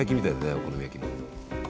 お好み焼きの。